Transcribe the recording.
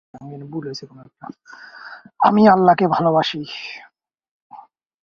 Atlantic City high school থেকে স্নাতক degree সম্পন্ন করেন।